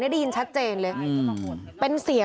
โดนฟันเละเลย